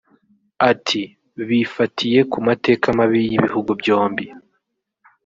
Ati "Bifatiye ku mateka mabi y’ibihugu byombi